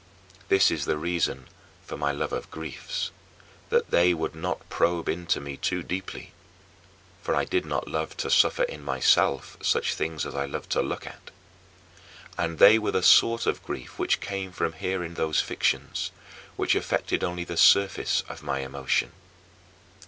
This is the reason for my love of griefs: that they would not probe into me too deeply (for I did not love to suffer in myself such things as I loved to look at), and they were the sort of grief which came from hearing those fictions, which affected only the surface of my emotion.